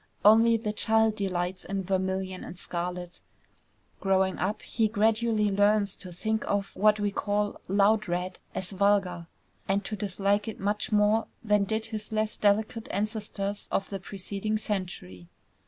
Only the child delights in vermilion and scarlet. Growing up he gradually learns to think of what we call "loud red" as vulgar, and to dislike it much more than did his less delicate ancestors of the preceding century.